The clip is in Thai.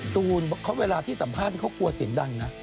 ตูนเวลาที่สัมภาษณ์เขากลัวเสียงดังนะ